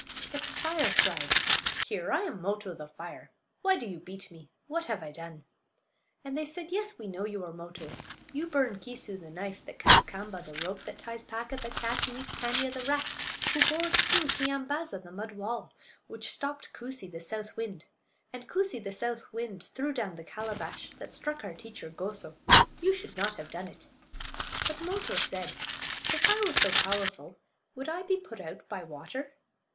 But the fire cried: "Here! I am Mo'to, the fire. Why do you beat me? What have I done?" And they said: "Yes, we know you are Moto; you burn Keesoo, the knife; that cuts Kaamba, the rope; that ties Paaka, the cat; who eats Paanya, the rat; who bores through Keeyambaaza, the mud wall; which stopped Koosee, the south wind; and Koosee, the south wind, threw down the calabash that struck our teacher Goso. You should not have done it." But Moto said, "If I were so powerful would I be put out by water?"